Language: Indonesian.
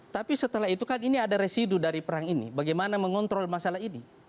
tapi setelah itu kan ini ada residu dari perang ini bagaimana mengontrol masalah ini